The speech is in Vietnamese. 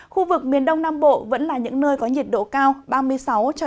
khu vực miền đông nam bộ vẫn là những nơi có nhiệt độ cao